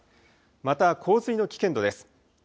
また洪水の危険度です。